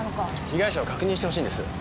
被害者を確認してほしいんです。